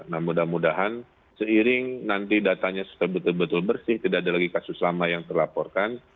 nah mudah mudahan seiring nanti datanya setelah betul betul bersih tidak ada lagi kasus lama yang terlaporkan